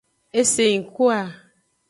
Eseyingkoa.